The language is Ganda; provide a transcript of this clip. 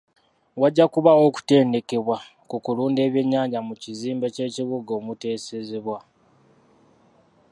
Wajja kubaawo okutendekebwa ku kulunda ebyennyanja mu kizimbe ky'ekibuga omuteesezebwa.